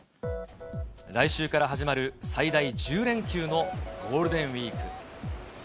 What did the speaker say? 来週から始まる最大１０連休のゴールデンウィーク。